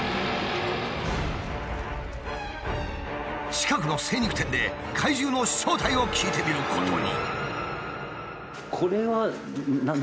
近くの精肉店で怪獣の正体を聞いてみることに。